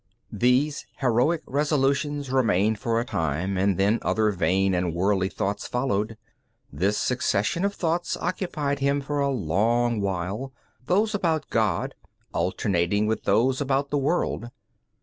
These heroic resolutions remained for a time, and then other vain and worldly thoughts followed. This succession of thoughts occupied him for a long while, those about God alternating with those about the world.